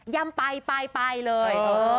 ย่ำไปเลย